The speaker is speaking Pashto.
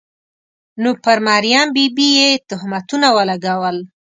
نو پر مریم بي بي یې تهمتونه ولګول.